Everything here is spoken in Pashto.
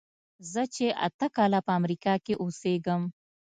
زه چې اته کاله په امریکا کې اوسېږم.